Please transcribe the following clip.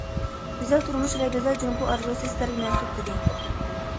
گۈزەل تۇرمۇش ۋە گۈزەل جۇڭگو ئارزۇسى سىلەرگە مەنسۇپ، دېدى.